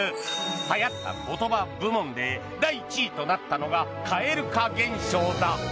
流行った言葉部門で第１位となったのが蛙化現象だ。